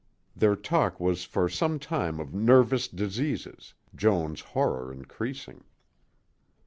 Their talk was for some time of nervous diseases, Joan's horror increasing.